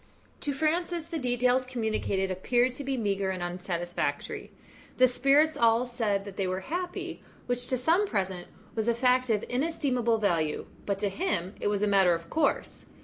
To Francis, the details communicated appeared to be meagre and unsatisfactory. The spirits all said that they were happy, which to some present was a fact of inestimable value, but to him it was a matter of course.